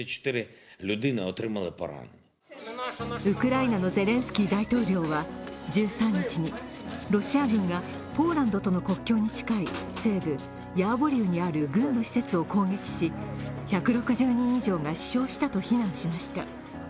ウクライナのゼレンスキー大統領は１３日にロシア軍がポーランドとの国境に近い西部ヤーヴォリウにある軍の施設を攻撃し、１６０人以上が死傷したと非難しました。